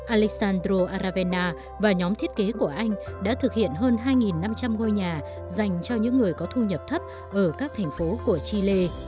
alexandro aravena và nhóm thiết kế của anh đã thực hiện hơn hai năm trăm linh ngôi nhà dành cho những người có thu nhập thấp ở các thành phố của chile